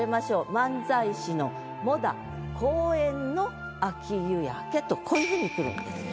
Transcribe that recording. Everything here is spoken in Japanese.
「漫才師の黙公園の秋夕焼」とこういうふうにくるんです。